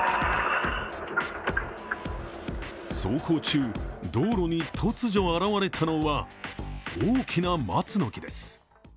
走行中、道路に突如現れたのは、大きな松の木です。